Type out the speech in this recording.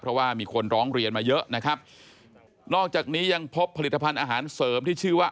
เพราะว่ามีคนร้องเรียนมาเยอะนะครับนอกจากนี้ยังพบผลิตภัณฑ์อาหารเสริมที่ชื่อว่า